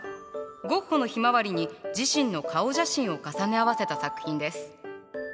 ゴッホの「ひまわり」に自身の顔写真を重ね合わせた作品です。